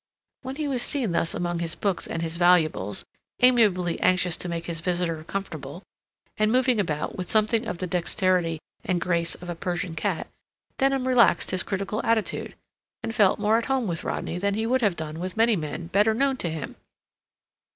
When he was seen thus among his books and his valuables, amiably anxious to make his visitor comfortable, and moving about with something of the dexterity and grace of a Persian cat, Denham relaxed his critical attitude, and felt more at home with Rodney than he would have done with many men better known to him.